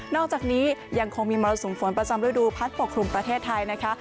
อกจากนี้ยังคงมีมรสุมฝนประจำฤดูพัดปกครุมประเทศไทยนะคะ